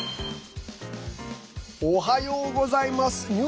おはようございます。